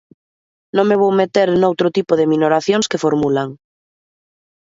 Non me vou meter noutro tipo de minoracións que formulan.